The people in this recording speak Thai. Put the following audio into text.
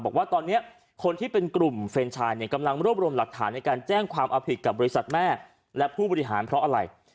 บอกว่าตอนนี้คนที่เป็นกลุ่มเฟรนชายเนี่ยกำลังรวบรวมหลักฐานในการแจ้งความเอาผิดกับบริษัทแม่และผู้บริหารเพราะอะไร